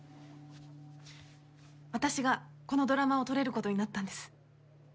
私がこのドラマを撮れる事になったんです。